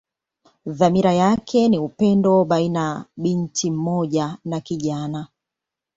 Dhamira yake ni upendo baina binti mmoja na kijana.